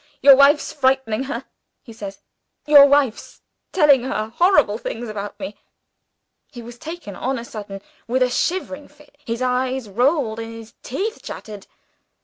'Your wife's frightening her,' he says; 'your wife's telling her horrible things about me.' He was taken on a sudden with a shivering fit; his eyes rolled, and his teeth chattered.